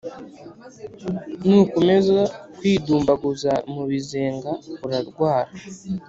Nukomeza kwidumbaguza mu bizenga uzarwara